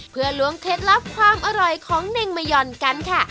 เพื่อล้วงเคล็ดลับความอร่อยของเน่งมะยอนกันค่ะ